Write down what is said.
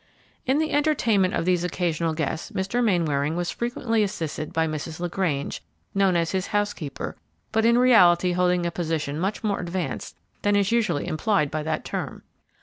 In the entertainment of these occasional guests Mr. Mainwaring was frequently assisted by Mrs. LaGrange, known as his housekeeper, but in reality holding a position much more advanced than is usually implied by that term.